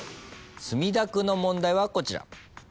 墨田区の問題はこちら。